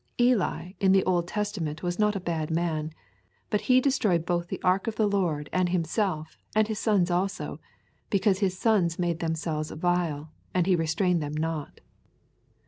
Eli in the Old Testament was not a bad man, but he destroyed both the ark of the Lord and himself and his sons also, because his sons made themselves vile, and he restrained them not.